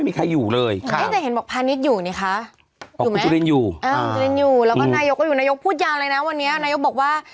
มันอยู่แล้วมันอยู่แล้วนายกพูดอย่างอะไรนะวันนี้นายบอกว่า